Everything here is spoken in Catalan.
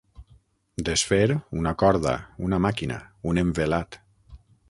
Desfer una corda, una màquina, un envelat.